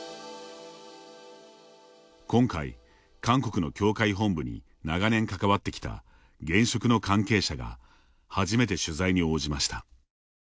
今回、韓国の教会本部に長年関わってきた現職の関係者が初めて取材に応じました。